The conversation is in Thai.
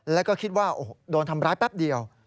แล้วก็คิดว่าโดนทำร้ายแป๊บเดียว